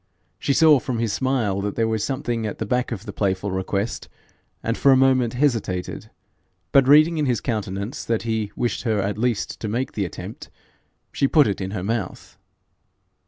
She saw from his smile that there was something at the back of the playful request, and for a moment hesitated, but reading in his countenance that he wished her at least to make the attempt, she put it in her mouth.